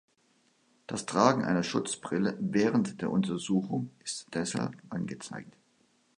Das Tragen einer Schutzbrille während der Untersuchung ist deshalb angezeigt.